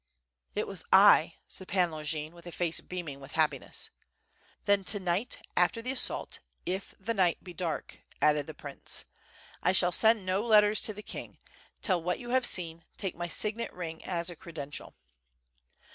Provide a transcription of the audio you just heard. "It was I," said Pan Longin, with a face beaming with happiness. "Then to night after the assault, if the night be dark," added the prince. "I shall send no letters to the king. Tell what you have seen; take my signet ring as a credential."